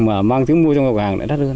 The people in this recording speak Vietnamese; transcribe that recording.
mà mang thứ mua trong cửa hàng lại đắt hơn